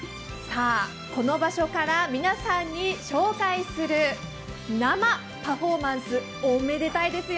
この場所から皆さんに紹介する生パフォーマンス、おめでたいですよ。